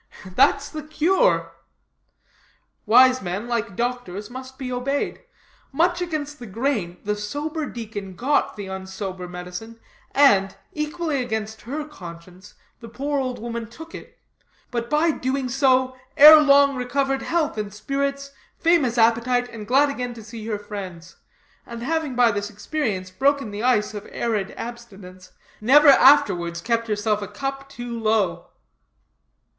'That's the cure.' Wise men, like doctors, must be obeyed. Much against the grain, the sober deacon got the unsober medicine, and, equally against her conscience, the poor old woman took it; but, by so doing, ere long recovered health and spirits, famous appetite, and glad again to see her friends; and having by this experience broken the ice of arid abstinence, never afterwards kept herself a cup too low."